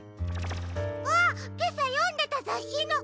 あっけさよんでたざっしの！